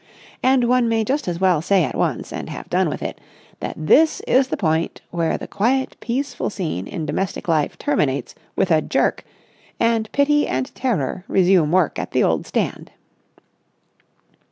And one may just as well say at once—and have done with it—that this is the point where the quiet, peaceful scene in domestic life terminates with a jerk, and pity and terror resume work at the old stand.